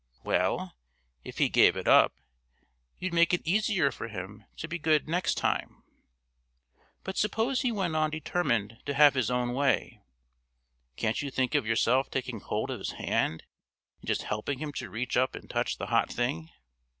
Well, if he gave it up, you'd make it easier for him to be good next time; but suppose he went on determined to have his own way, can't you think of yourself taking hold of his hand and just helping him to reach up and touch the hot thing?